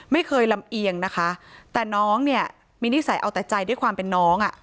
ลำเอียงนะคะแต่น้องเนี่ยมีนิสัยเอาแต่ใจด้วยความเป็นน้องอ่ะ